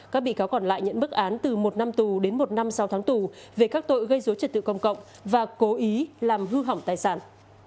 các bị cáo còn lại nhận bức án từ một năm tù đến một năm sau tháng tù về các tội gây dối trật tự công cộng và cố ý làm hư hỏng tài sản